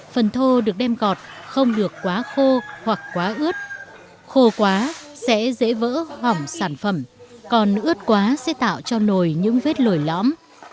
phần thô được đem gọt không được quá khô hoặc quá ướt khô quá sẽ dễ vỡ hỏng sản phẩm còn ướt quá sẽ tạo cho nồi những vết lồi lõm